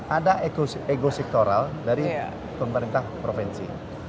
ada ego sektoral dari pemerintah provinsi